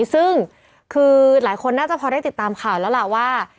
ซึ่งคือหลายคนน่าจะพอได้ติดตามข่าวแล้วล่ะว่า